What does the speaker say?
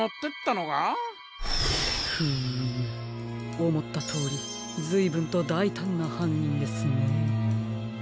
おもったとおりずいぶんとだいたんなはんにんですね。